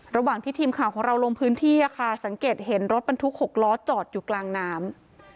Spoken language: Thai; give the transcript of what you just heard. ระหว่างที่ทีมข่าวของเราลงพื้นที่ค่ะสังเกตเห็นรถบรรทุก๖ล้อจอดอยู่กลางน้ำ